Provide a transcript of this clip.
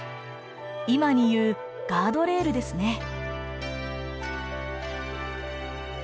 今に言うガードレールですね。